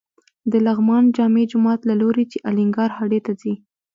د لغمان جامع جومات له لوري چې الینګار هډې ته ځې.